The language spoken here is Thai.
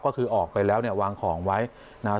ก็คือออกไปแล้วเนี่ยวางของไว้นะครับ